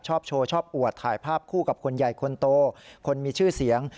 ชอบโชว์ชอบอวดถ่ายภาพคู่กับคนใหญ่คนโตคนมีชื่อเสียง